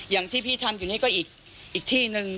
อย่างที่พี่ทำอยู่นี่ก็อีกที่หนึ่ง